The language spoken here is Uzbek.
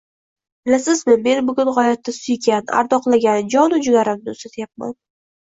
Bilasizmi, men bugun g`oyatda suygan, ardoqlagan jonu jigarimni uzatyapman